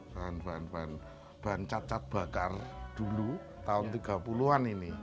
bahan bahan bahan cat cat bakar dulu tahun tiga puluh an ini